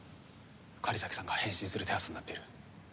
狩崎さんが変身する手はずになっている。